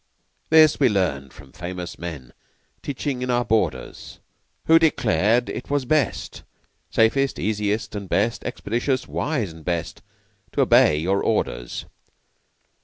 This we learned from famous men Teaching in our borders. Who declare'd it was best, Safest, easiest and best Expeditious, wise and best To obey your orders.